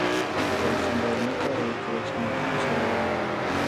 تاسو موبایل مه کاروئ کله چې موټر چلوئ.